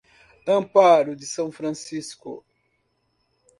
Amparo de São Francisco